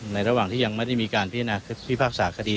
ในระหว่างที่ยังไม่ได้มีการพิพากษาคดี